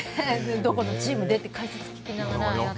どこのチームでって解説を聞きながら見てて。